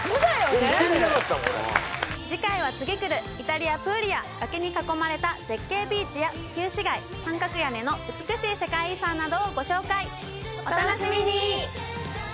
俺次回は次来るイタリアプーリア崖に囲まれた絶景ビーチや旧市街三角屋根の美しい世界遺産などをご紹介お楽しみに！